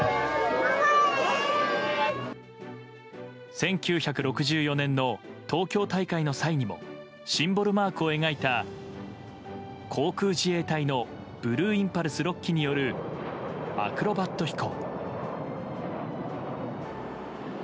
１９６４年の東京大会の際にもシンボルマークを描いた航空自衛隊のブルーインパルス６機によるアクロバット飛行。